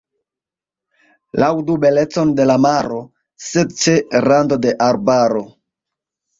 Laŭdu belecon de la maro, sed ĉe rando de arbaro.